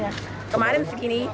ini kemarin segini